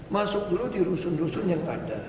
masuk dulu di rusun rusun yang ada